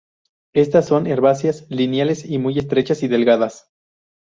Estas son herbáceas, lineales, muy estrechas y delgadas.